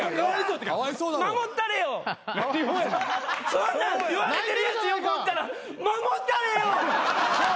そんなん言われてるやつ横おったら守ったれよ。